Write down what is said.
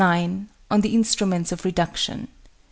On the Instruments of Reduction.